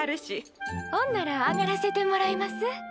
ほんなら上がらせてもらいます。